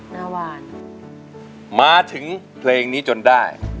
มาถึงเพลงนี้จนได้